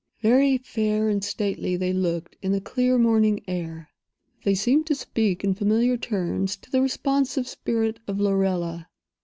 Very fair and stately they looked in the clear morning air. They seemed to speak in familiar terms to the responsive spirit of Lorella.